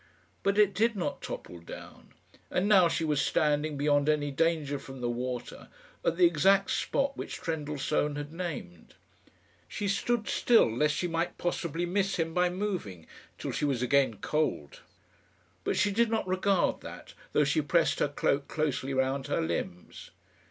But it did not topple down, and now she was standing beyond any danger from the water at the exact spot which Trendellsohn had named. She stood still lest she might possibly miss him by moving, till she was again cold. But she did not regard that, though she pressed her cloak closely round her limbs.